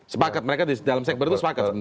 sepakat mereka di dalam sekber itu sepakat sebenarnya